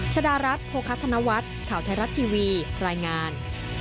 ชดารัฐโภคธนวัฒน์ข่าวไทยรัฐทีวีรายงาน